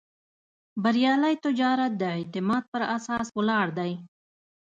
بریالی تجارت د اعتماد پر اساس ولاړ دی.